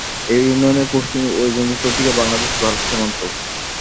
এ ইউনিয়নের পশ্চিম এবং উত্তর দিকে বাংলাদেশ-ভারত সীমান্ত।